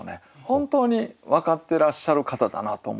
本当に分かってらっしゃる方だなと思うんですね。